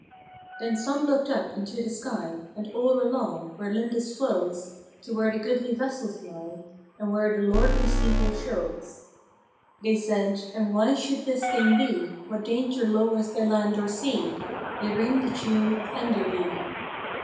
Then some looked uppe into the sky, And all along where Lindis flows To where the goodly vessels lie, And where the lordly steeple shows. They sayde, " And why should this thing be What danger lowers by land or sea ? They ring the tune of Enderby!